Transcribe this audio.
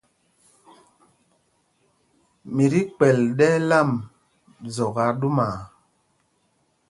Mi ti kpɛ̌l ɗɛ̄l ām Zɔk aa ɗúmaa.